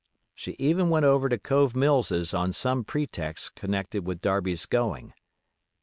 She even went over to Cove Mills's on some pretext connected with Darby's going.